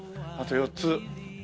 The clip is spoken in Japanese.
あと４つ。